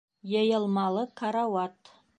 Йыйылмалы карауат